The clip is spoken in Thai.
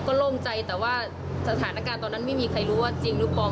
ก็โล่งใจแต่ว่าสถานการณ์ตอนนั้นไม่มีใครรู้ว่าจริงหรือเปล่า